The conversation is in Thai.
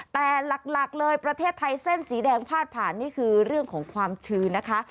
แต่หลักเลยประเทศไทยเส้นสีแดงพาดผ่านนี่คือเรื่องของความชื้นนะคะ